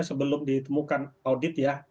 sebelum ditemukan audit ya